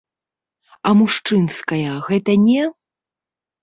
А мужчынская гэта не?